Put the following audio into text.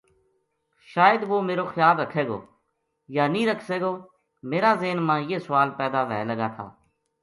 شاید وُہ میرو خیال رکھے گو یا نیہہ رکھسے گو میرا ذہن ما یہ سوال پیدا و ھے لگا تھا